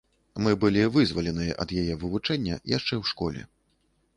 Мы былі вызваленыя ад яе вывучэння яшчэ ў школе.